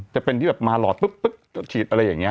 จะเป็นที่แบบมาหลอดปุ๊บฉีดอะไรอย่างนี้